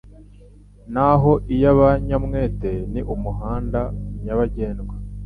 naho iy’abanyamwete ni umuhanda nyabagendwa